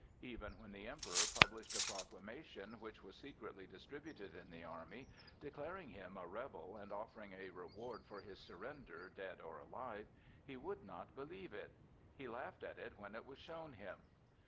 Even when the Emperor published a proclamation, which was secretly distributed in the army, declaring him a rebel and offering a reward for his surrender, dead or alive, he would not believe it; he laughed at it when it was shown him.